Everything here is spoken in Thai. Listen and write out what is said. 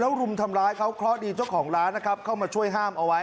รุมทำร้ายเขาเคราะห์ดีเจ้าของร้านนะครับเข้ามาช่วยห้ามเอาไว้